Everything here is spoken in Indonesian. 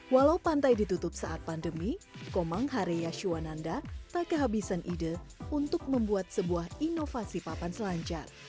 walau pantai ditutup saat pandemi komang hareyaswananda tak kehabisan ide untuk membuat sebuah inovasi papan selancar